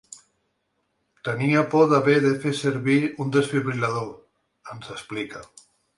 “Tenia por d’haver de fer servir un desfibril·lador”, ens explica.